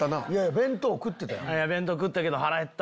弁当食ってたやん。